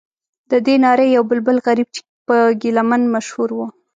ددې نارې یو بلبل غریب چې په ګیله من مشهور و.